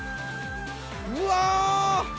うわ！